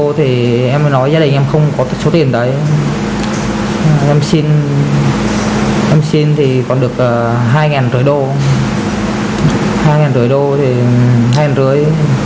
rồi em nói với gia đình em không có số tiền đấy em xin thì còn được hai rưỡi đô hai rưỡi đô thì hai năm trăm linh